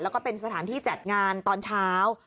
แล้วก็เป็นสถานที่จัดงานตอนเช้า